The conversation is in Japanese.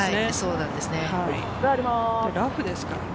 ラフですからね。